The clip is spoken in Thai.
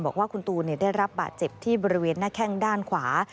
บอกว่าคุณตูนได้รับบาดเจ็บที่บริเวณหน้าแข้งด้านขวา